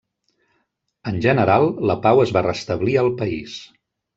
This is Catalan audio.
En general la pau es va restablir al país.